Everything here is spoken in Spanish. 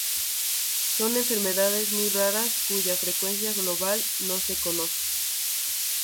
Son enfermedades muy raras, cuya frecuencia global no se conoce.